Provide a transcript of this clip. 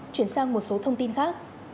chuyển sang một số thông tin khác